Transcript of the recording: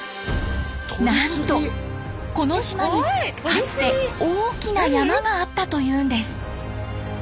なんとこの島にかつて大きな山があったというんです。